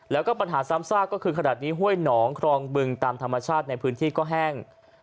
แล้วก็ปัญหาซ้ำซากก็คือขนาดนี้ห้วยหนองครองบึงตามธรรมชาติในพื้นที่ก็แห้ง